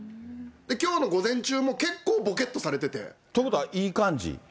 きょうの午前中も、結構ぼけっとされてて。ということはいい感じ？